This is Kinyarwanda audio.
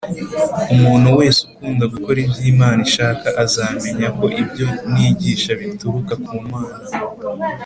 ” “umuntu wese ukunda gukora ibyo imana ishaka azamenya ko ibyo nigisha bituruka ku mana